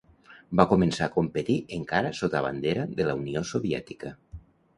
Va començar a competir encara sota bandera de la Unió Soviètica.